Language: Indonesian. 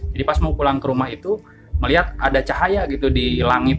jadi pas mau pulang ke rumah itu melihat ada cahaya gitu di langit